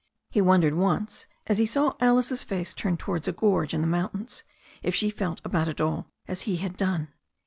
He wondered once, as he saw Alice's face turned towards a gorge in the mountains, if she felt about it all as he had done.